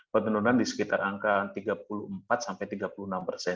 penurunan di sekitar angka tiga puluh empat sampai tiga puluh enam persen